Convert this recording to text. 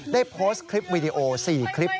ได้โพสต์คลิปวิดีโอ๔คลิป